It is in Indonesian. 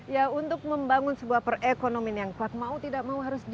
ya untuk membangun sebuah perekonomian yang kuat mau tidak mau harus